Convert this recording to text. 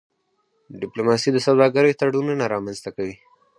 ډيپلوماسي د سوداګرۍ تړونونه رامنځته کوي.